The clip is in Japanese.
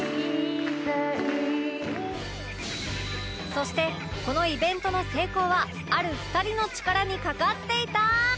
そしてこのイベントの成功はある２人の力に懸かっていた！